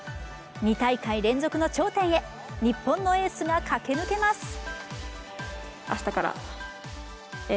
２大会連続の頂点へ、日本のエースが駆け抜けます。